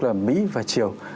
là mỹ và triều